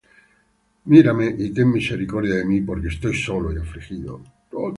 Mírame, y ten misericordia de mí; Porque estoy solo y afligido.